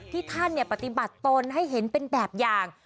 ที่ท่านปฏิบัติตนให้เห็นเป็นแบบอย่าง